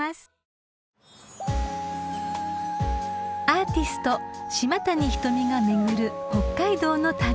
［アーティスト島谷ひとみが巡る北海道の旅］